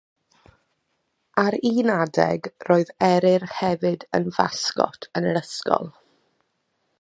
Ar un adeg roedd eryr hefyd yn fasgot yn yr ysgol.